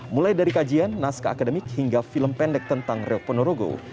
mulai dari kajian naskah akademik hingga film pendek tentang reok ponorogo